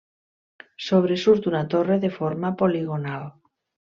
Sobresurt una torre de forma poligonal.